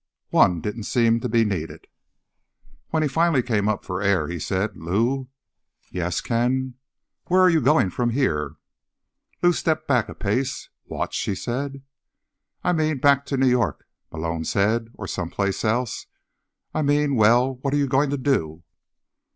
One didn't seem to be needed. When he finally came up for air, he said: "Lou...." "Yes, Ken?" "Lou, where are you going from here?" Lou stepped back a pace. "What?" she said. "I mean, back to New York?" Malone said. "Or someplace else? I mean— well, what are you going to do?"